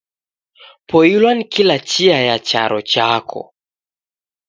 Poilwa ni kila chia ya charo chako.